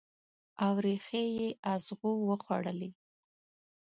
او ریښې یې اغزو وخوړلي